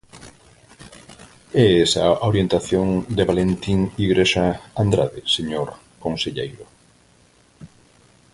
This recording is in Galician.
¿E esa a orientación da Valentín Igrexa Andrade, señor conselleiro?